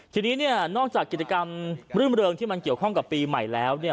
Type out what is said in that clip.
ทีนี้เนี่ยนอกจากกิจกรรมรื่มเริงที่มันเกี่ยวข้องกับปีใหม่แล้วเนี่ย